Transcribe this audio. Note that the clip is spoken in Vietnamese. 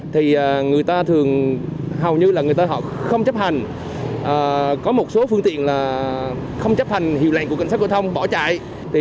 thì người ta thường không chấp hành hiệu lệnh của cận sát cộng thông bỏ chạy